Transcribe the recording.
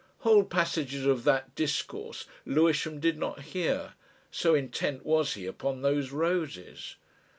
Whole passages of that discourse Lewisham did not hear, so intent was he upon those roses.